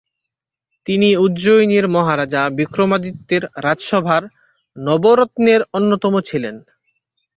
তিনি উজ্জয়িনীর মহারাজা বিক্রমাদিত্যের রাজসভার নবরত্নের অন্যতম ছিলেন।